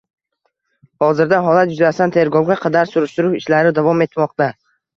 Hozirda holat yuzasidan tergovga qadar surishtiruv ishlari davom etmoqda